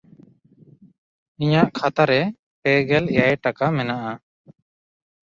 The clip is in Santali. ᱤᱧᱟᱜ ᱠᱷᱟᱛᱟ ᱨᱮ ᱯᱮᱜᱮᱞ ᱮᱭᱟᱭ ᱴᱟᱠᱟ ᱢᱮᱱᱟᱜᱼᱟ᱾